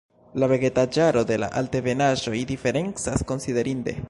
La vegetaĵaro de la altebenaĵoj diferencas konsiderinde.